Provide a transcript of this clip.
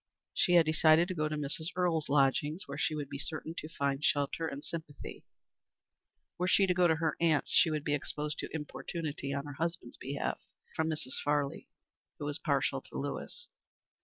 She had decided to go to Mrs. Earle's lodgings where she would be certain to find shelter and sympathy. Were she to go to her aunt's she would be exposed to importunity on her husband's behalf from Mrs. Farley, who was partial to Lewis.